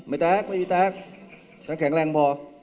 ไม่แตกไม่มีแตกแค่แข็งแรงพอ